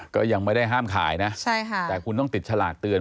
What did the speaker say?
ก็ยังไม่ได้ห้ามขายนะใช่ค่ะแต่คุณต้องติดฉลากเตือน